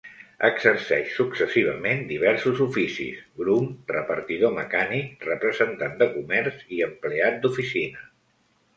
Exerceix successivament diversos oficis: grum, repartidor mecànic, representant de comerç i empleat d'oficina.